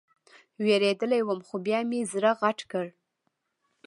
وېرېدلى وم خو بيا مې زړه غټ کړ.